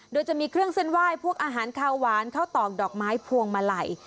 โดยจะมีเครื่องเส้นไหว้พวกอาหารคาวหวานข้าวตอกดอกไม้พวงมาลัย